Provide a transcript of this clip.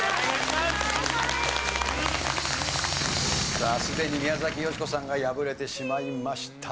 さあすでに宮崎美子さんが敗れてしまいました。